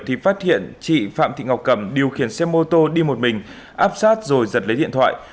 thì phát hiện chị phạm thị ngọc cẩm điều khiển xe mô tô đi một mình áp sát rồi giật lấy điện thoại